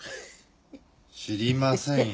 知りませんよ。